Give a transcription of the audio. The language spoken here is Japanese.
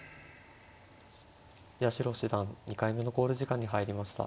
八代七段２回目の考慮時間に入りました。